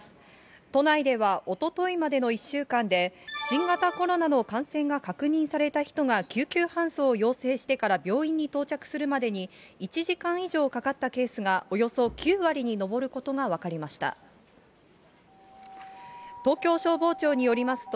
都内ではおとといまでの１週間で、新型コロナの感染が確認された人が救急搬送を要請してから病院に到着するまでに、１時間以上かかったケースが、およそ９割に上ることが分かりました。